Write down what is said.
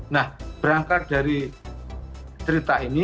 nah berangkat dari cerita ini